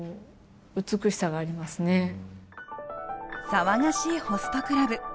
騒がしいホストクラブ。